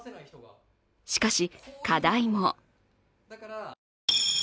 しかし、課題も。